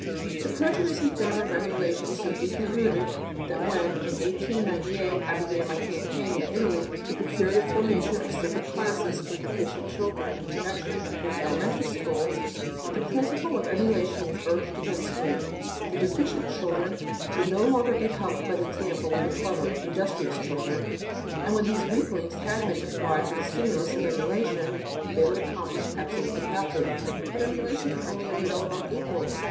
This prejudice in favor of emulation is so deeply rooted that when, in 1898, I began my campaign in Italy to procure the formation of separate classes for deficient children in connection with the elementary schools, the principle of emulation was urged against me: the deficient children would no longer be helped by the example of the clever, industrious children; and when these weaklings had been deprived of the stimulus of emulation, they would accomplish absolutely nothing. But emulation can only avail among equals.